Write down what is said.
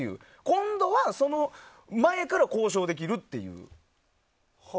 今度は、その前から交渉できるという。